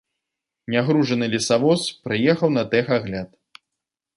Нягружаны лесавоз прыехаў на тэхагляд.